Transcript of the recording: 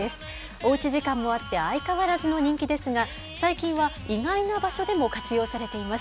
おうち時間もあって、相変わらずの人気ですが、最近は意外な場所でも活用されています。